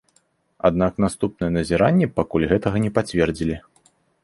Аднак наступныя назіранні пакуль гэтага не пацвердзілі.